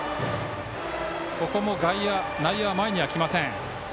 外野、内野は前には来ません。